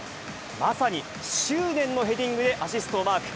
まさに執念のヘディングでアシストをマーク。